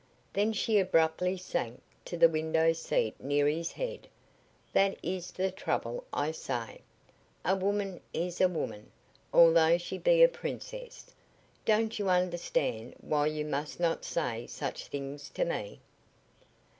Then she abruptly sank to the window seat near his head. "That is the trouble, I say. A woman is a woman, although she be a princess. Don't you understand why you must not say such things to me?"